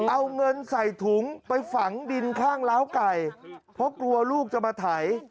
เอาเงินใส่ถุงไปฝังดินข้างล้าวไก่เพราะกลัวลูกจะมาไถ